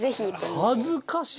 恥ずかしい。